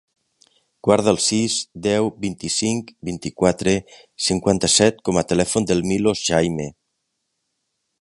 Guarda el sis, deu, vint-i-cinc, vint-i-quatre, cinquanta-set com a telèfon del Milos Jaime.